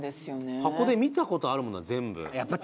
箱で見た事あるもの全部。